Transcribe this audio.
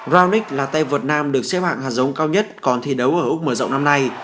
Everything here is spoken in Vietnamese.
ronnic là tay vợt nam được xếp hạng hạt giống cao nhất còn thi đấu ở úc mở rộng năm nay